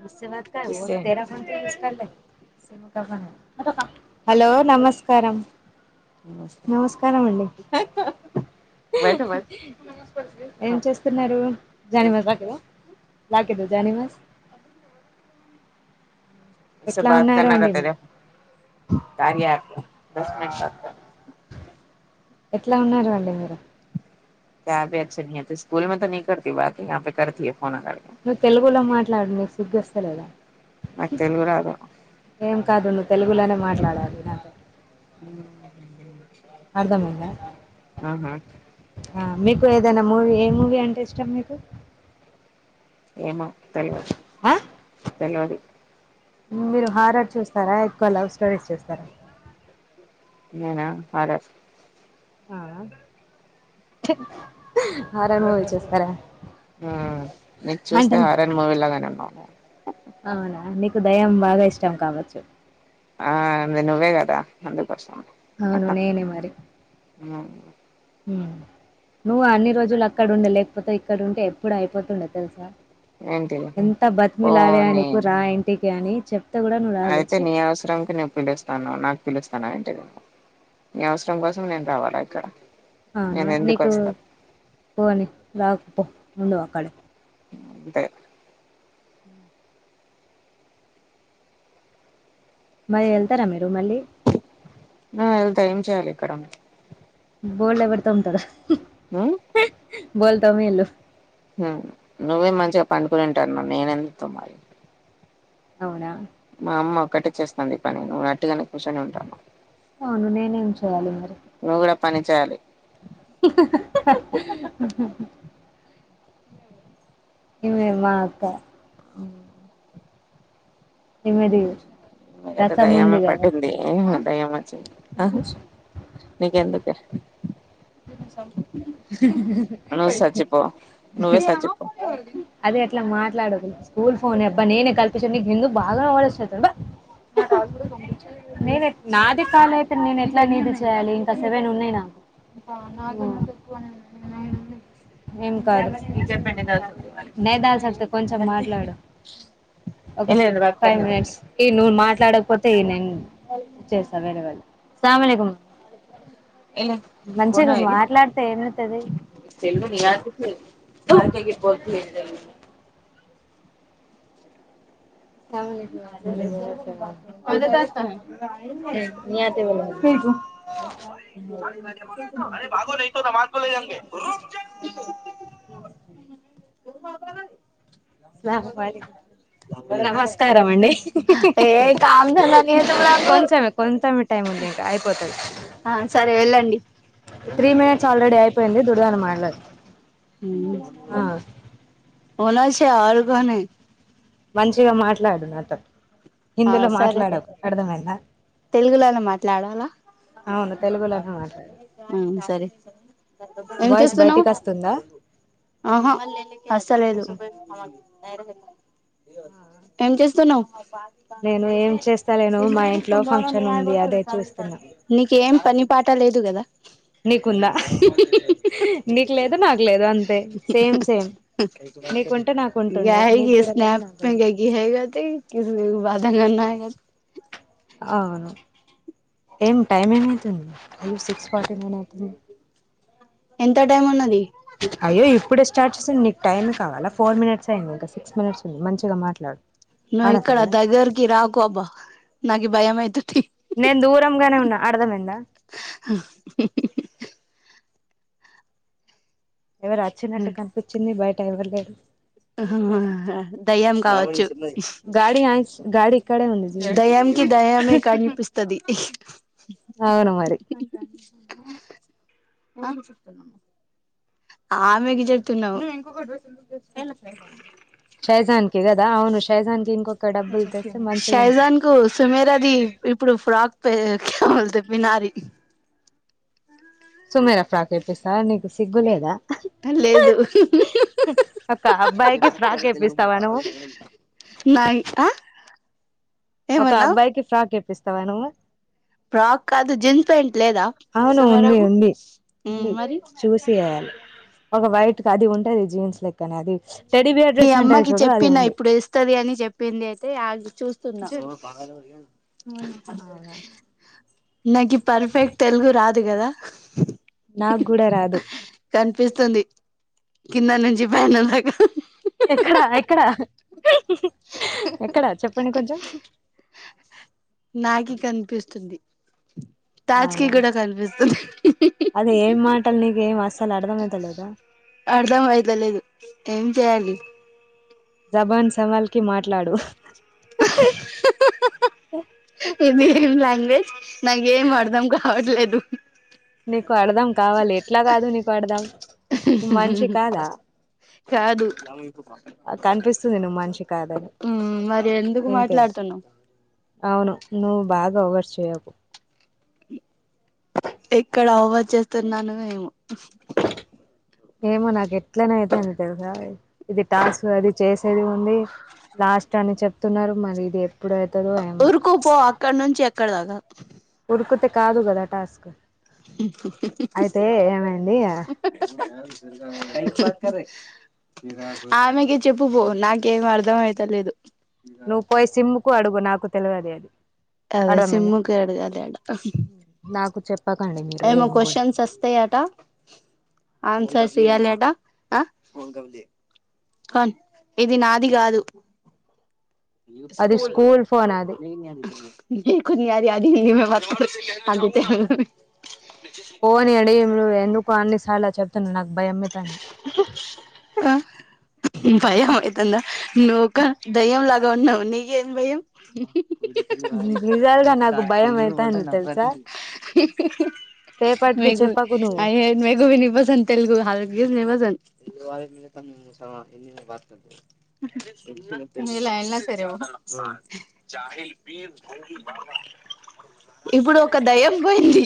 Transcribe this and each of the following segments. మస్ వ తెలా కొంత ఇస్లే హలో నమస్కారం నమస్కారం అండి ఏం చేస్తున్నారు జాని మా జాకగా నాకేద జానివాస్ ఉసె బాత్ కర్ణ కా తెరో కార్య యాప్ దస్ మినిట్ భాత్కార్ ఎట్లా ఉన్నారు అండి మీరు క్యా భి ఆఛే నై హాయ్ స్కూల్ మే తో నే కార్తె బాత్ ఎహ్ పే కార్తీహాయ్ ఫోన్ కా నువ్వు తెలుగులో మాట్లాడు నీ సిగ్గొస్తలేదా ఏం కాదు నువ్వు తెలుగులోనే మాట్లాడాలి నాతో అ బ అర్ధమంద ఆ మీకు ఏదైనా మూవీ ఏ మూవీ అంటే ఇష్టం మీకు ఏమ తెల్వాదీ తెలివదీ మీరు హార్రర్ చూస్తారా ఎక్కువ లవ్ స్టోరీస్ చూస్తారా నేను హార్రర్ ఆ హార్రర్ మూవీ చూస్తారా అవునా నీకు దయం బాగా ఇష్టం కావచ్చు అవును నేనే మరి హ నువ్వు అన్ని రోజులు అక్కడ ఉండ లేకపోతే ఇక్కడ ఉంటే ఎప్పుడు అయిపోతుండ తెలుసా ఎంత బతిమలాఆడకు రా ఇంటికి అని చెప్ అయితే నీ అవసరంకి నేను పిలుస్తాను నాకు పిలుస్తా ఈ అవసరం కోసం నేను రావాల అక్కడ అవునా నీకు పోవం రాపో ఉండ అక్కడ అంతే మరి వెళ్తారా మీరు మళ్ళీ ఆ వెళ్తే ఏం చేయాలి ఇక్కడ బోల్లే పడతా ఉము తడా బోల్తాము ఎలు నువ్వే మంచిగా పండుకుని ఉంటా అన్నా నేనెందుతో మరి అవునా మా అమ్మ ఒక్కటే చేస్తుంది ఇ ప నేను్వు అట్టుగానే కూర్చొని ఉంటామ్మా అవును నేనేం చేయాలి మరి [inaudible] ఇవమా అక్క ఏ మరి మీకు అయితే దయ్యమె పట్టింది మాకు దయ్యం వచ్చంది ఆ నీకు ఎందుకే నువ్వు సచ్చిపో నువ్వే సచ్చిపో అది అట్లా మాట్లాడదు స్కూల్ ఫోనే అబ్బా నేనే కల్పించింది నీకు ఎందుకు బాగా ఓవారాక్షన్ ఐతుంది పో నా కాల్ కూడ నేను నాది కాల్ అయితే నేను ఎట్లా నీదీ చేయాలి ఇంకా సెవన్ ఉన్నాయి నాకు అ నాకన్న తక్కువనే ఉన్నాయి నైన్ ఉన్నాయి ఇది చెప్పండి ఏం లేదు వర్క్ అయిందండి ఏ నువ్వు మాట్లాడకపోతే నేను చేస్తా వేరే వాళ్ల కు సలామేకుం ఎలా మంచిగా మాట్లాడితే ఏమయితది అగెగి బోల్తీ ఏం జరిగింది మ్ నీ ఆతీ బొలే మ్ అరే బాబు నై కోలె మాజ్ బులాయంగే అ సర్ పాయే నమస్కారం అండి ఏ కామధజాని తుమ్లాకో అభచ్చ కోన్చ మీ టాయి ఆ సరే వెళ్ళండి త్రీ మినిట్స్ ఆల్రెడీ అయిపోయింది దుర్దాన మాట్లాడు ఆ ఉలాచ్చ ఆర్గానే మంచిగా మాట్లాడు నాతో హిందిలో మాట్లాడకు అర్థం అయిందా తెలుగులోనే మాట్లాడాలా మ్ సరే ఏం చేస్తున్నావు అహా అస్తలేదు ఏం చేస్తున్నావు నేను ఏం చేస్తాలేను మా ఇంట్లో నీకు ఏం పని పాట లేదు కదా నీకుందా నీకు లేదు నాకు లేదు అంతే సేమ్ సేమ్ గాయ్ స్న్ప్ మగాగి హ థాంక్యూ నీకు బాధ కన్నా ఆయనకు అవును ఏం టైమ్ ఏమవుతుంది ఏ సిక్స్ ఫార్టీ నైన్ అయితుంది ఎంత టైం ఉందండి అయ్యో ఇప్పుడే స్టార్ట్ చేసింది నీకు టైమ్ కావాలా ఫోర్ మినిట్స్ అయింది ఇంకా సిక్స్ మినిట్స్ ఉంది మంచిగా మాట్లాడు నువ్ ఇక్కడ దగ్గరకి రాకు అబ్బా నాకి భయం అయితుం నేను దూరంగానే ఉన్నా అర్దం అయిందా హ హ ఎవరో వచ్చినట్టు కనిపించింది బయట ఎవ్వర్లేరు దయ్యం కావచ్చు దయ్యం కి దయ్యామే కనిపిస్తుంది అవును మరి నాకు చెప్తునము ఆమెకు చెప్పుతున్నవు శైజాన్ కు సమీరా ది ఇప్పుడు ఫ్రాక్ పె పవాలత మినారీ సుమేరా ఫ్రాక్ తేప్పిస్తావ నీకు సిగ్గు లేదా అ లేదు నయి ఆ ఒక అబ్బాయికి ఫ్రాక్ ఇప్పిస్తావా నువ్వు అవును ఉంది ఉంది ఉంది చూసి ఒక వైట్ క అది ఉంటది జీన్స్ లెక్కని అది నీ అమ్మకి చెప్పిన ఇప్పుడు ఇస్తది అని చెప్పింది అయితే చూ స నాకు పర్ఫెక్ట్ తెలుగు రాదు కదా కనిపిస్తుంది కింద నుంచి బండ దాకా ఎక్కడా ఎక్కడా ఎక్కడా చెప్పండి కొంచెం నాకి కనిపిస్తుంది తాజ్కీ కూడా కనిపిస్తుంది ట్టల్ని గే మాస్ అర్ధం వయిదలేదు ఏం చేయాలి జబాన్ సవాల్ కి మాట్లాడు ఇది ఏం లాంగ్వేజ్ నాకేం అర్థం కావట్లేదు నీకు అడదాం కావాలి ఎట్లా కాదు నీకు అడదాం మష కాదా కాదు మరి ఎందుకు మాట్లాడుతను నువ్వు బాగా ఓవర్స్యు ఇక్కడ ఓవర్ చేస్తున్నాను మేము ఏమో నాకు ఎట్లనే అైతుంది తెలుసా ఇది టాస్ అది చేసేది ఉంది లాస్ట్ అని చెప్తున్నారు మరి ఇదిే ఉరుకుపో అక్కడ నుంచి అక్కడ దాకా ఉరుకుతే కాదు కదా టాస్క్ కా చక్కరే ఆమెకి చెప్పు పో నాకేం అర్ధం అయితలేదు నువ్వు పోయి సిమ్ కు అడుగు నాకు తెలివది అది అదే సిమ్ము కి అడగాలి ఆడ ఏమో క్వశ్చన్స్ వస్తాయట ఆన్సర్ ఇయాలి అట కన్ ఇది నాది కాదు స్కూల్ మీకున్యది యది హిందీ మే బాత్ కర్ పోని అడిగి ఎందుకు అన్ని సార్లు చెప్తున్నా నాకు భయం అయితాంది అ భయం అయితుందా నువ్వొక దయ్యం లాగ ఉన్నావ్ నీకేం భయం రా తెలుగు పోప్ప మీరేకోభి మీరేకోభి నై పసంద్ తెలుగు హలత్ నై పసంద్ ఇ వ బతు ఎ సరే చహల్ పర భ బ ఇప్పుడు ఒక దయం పోయింది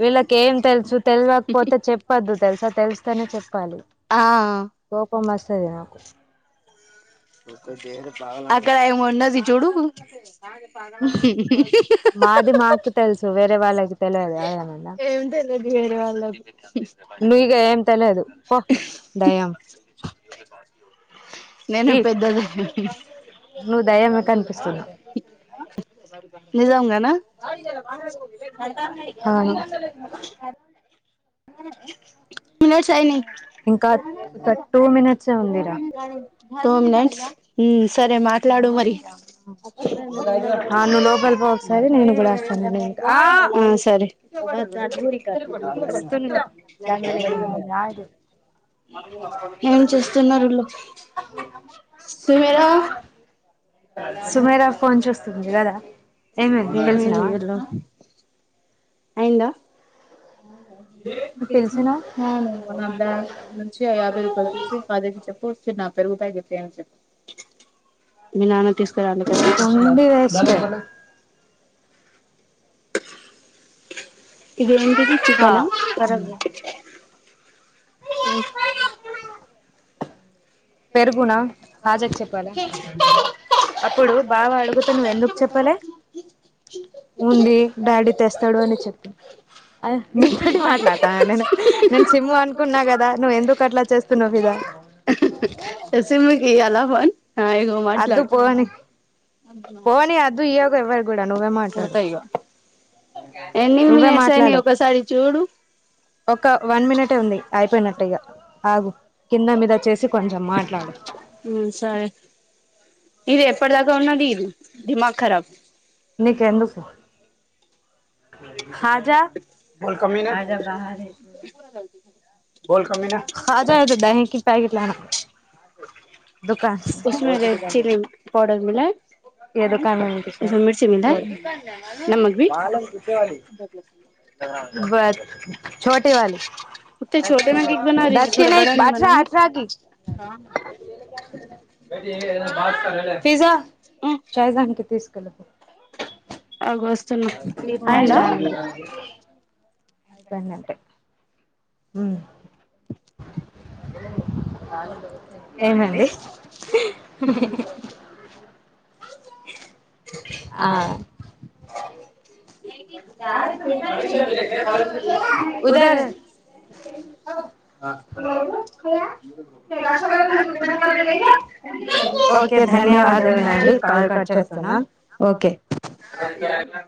వీళ్ళకి ఏం తెలుసు తెలవకపోతే చెప్పద్దు తెలుసా తెలుస్తేనే చెప్ప లి కోపం వస్తది నాకు ఆక్కడ ఏమో ఉన్నది చూడు ఏమి తెలేదు వేరు వాళ్ళకి ఈక్ నువ్వు దయ్యంలేక అనిపిస్తున్నావ్ అవును కిలో చేయనీ దో మినిట్స్ సరే మాట్లాడు మరి ఆ సరే అ దన్ని బురి కాదు తున్న కాదు ఏం చేస్తున్నారు ఊళ్ళో సుమెరా సుమేరా ఫోన్ చూస్తుంది కదా ఏమేంది తెలిసినా అయిందా అవును అ నుంచి యాభై రూపాయలు తిసి పదేనీ చెప్పు పోస్తున్న పెరుగు ప్యాకేట్ లోంచి మీ నాన్న తీసుకురాలేదా ఇదేంటిది చికెనా మ్ పెరుగునా హాజాక్ చెప్పాలా అప్పుడు బావ అడుగుతుండ నువ్వు ఎందుకు చెప్పాలే ఉంది డాడీ తెస్తాడు అని చెప్పు నీతోటి మాట్లాడతాను నేను నేను చిమ్ అనుకున్నా కదా నువ్వు ఎందుకు అట్లా చేస్తున్నావ్ విదా సిమీకి ఇయాల ఫోన్ ఇగో మాట్లాడు ఫోన్ ఇయద్దు ఇయగు ఎవ్వరు కూడా నువ్వే మాట్లాడు నువ్వే మాట్లాడు ఒక వన్ మినిటె ఉంది అయిపోయినట్టేఇగా ఆగు కింద మీద చేసి కొంచెం మాట్లాడు ఇది ఎప్పటి దాకా ఉన్నది ఇది దిమాక్ ఖరాబ్ నీకెందుకు హాజా వల్ కమినే హజా బహ్రెహే పూర గల్తి టై నా దుకాన్స్ ఎదుకని అని పిస్తాది బ చోటే వాలె దస్కి న అ బాజ అఠకి పిజ్జా శాయజ్దదాని పీస్ కళ్ళుపు ఇ పోట్ చాలు అయిపోయినట్టే ఉమ్ ఏమంది ఆ [inaudible] ఉదర్ హ్ [inaudible] ఓకే ధన్యవాదాలు మండి కాల్ కట్ చేస్తున్నా ఓకే హజి అయేనా